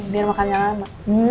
biar makan yang lama